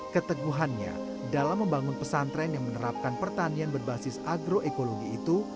keteguhannya dalam membangun pesantren yang menerapkan pertanian berbasis agroekologi itu